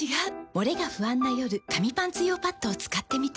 モレが不安な夜紙パンツ用パッドを使ってみた。